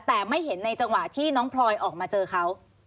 แต่ไม่เห็นในจังหวะที่น้องพลอยออกมาเจอเขา